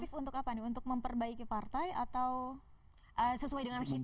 tips untuk apa nih untuk memperbaiki partai atau sesuai dengan hitungan